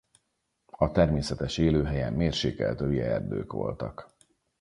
A természetes élőhelye mérsékelt övi erdők voltak.